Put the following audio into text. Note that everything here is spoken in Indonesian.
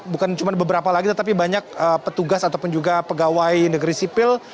bukan cuma beberapa lagi tetapi banyak petugas ataupun juga pegawai negeri sipil